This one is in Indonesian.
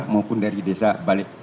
maupun dari desa balik